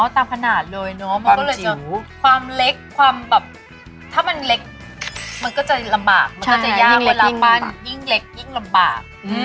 อ๋อตามขนาดเลยเนาะความเล็กความแบบถ้ามันเล็กเราก็จะลำบาก